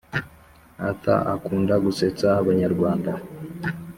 arthur akunda gusetsa abanyarwanda.